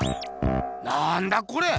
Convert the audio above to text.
なんだこれ！